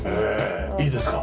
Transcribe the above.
いいですか？